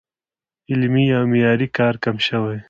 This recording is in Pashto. علمي او معیاري کار کم شوی